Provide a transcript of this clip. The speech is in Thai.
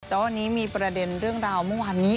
แต่ว่าวันนี้มีประเด็นเรื่องราวเมื่อวานนี้